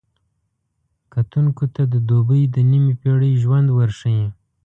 کتونکو ته د دوبۍ د نیمې پېړۍ ژوند ورښيي.